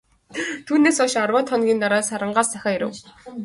Түүнээс хойш арваад хоногийн дараа, Сарангаас захиа ирэв.